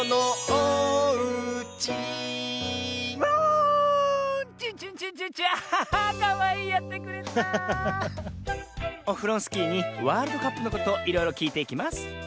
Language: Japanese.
オフロンスキーにワールドカップのことをいろいろきいていきます